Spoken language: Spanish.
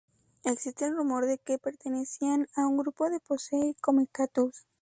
Existe el rumor de que pertenecían a un grupo de Posse Comitatus.